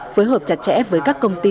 phối hợp chặt chẽ với các công ty